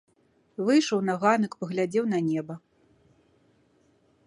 Выйшаў на ганак, паглядзеў на неба.